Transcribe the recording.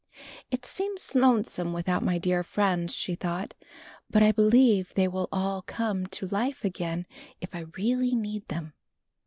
"It seems lonesome without my dear friends/' she thought, "but I believe they will all come to life again if I really need them.